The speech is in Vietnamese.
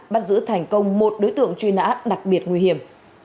bắt giữ thành công một đối tượng truy nã đặc biệt nguy hiểm